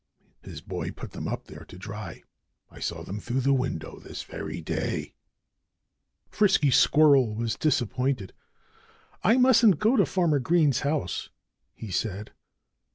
His boy put them up there to dry. I saw them through the window, this very day." Frisky Squirrel was disappointed. "I mustn't go to Farmer Green's house," he said.